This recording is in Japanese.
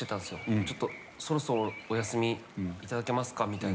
ちょっと、そろそろお休みいただけますかみたいな。